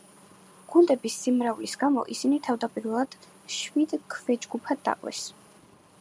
გუნდების სიმრავლის გამო ისინი თავდაპირველად შვიდ ქვეჯგუფად დაყვეს.